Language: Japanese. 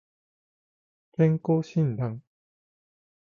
健康診断